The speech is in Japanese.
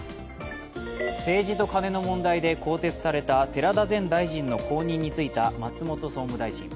政治とカネの問題で更迭された寺田前大臣の後任についた松本総務大臣。